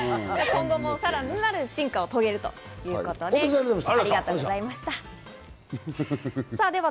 今後もさらなる進化を遂げるということです。